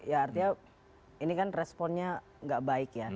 ya artinya ini kan responnya nggak baik ya